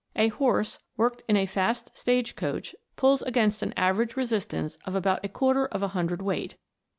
A horse worked in a fast stage coach pulls against an average resistance of about a quarter of a hundred weight.